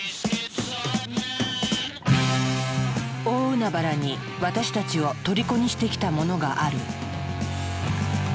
大海原に私たちをとりこにしてきたものがある。